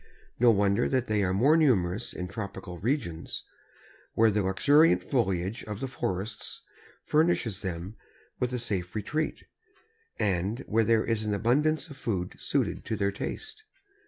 No wonder that they are more numerous in tropical regions, where the luxuriant foliage of the forests furnishes them with a safe retreat, and where there is an abundance of food suited to their taste.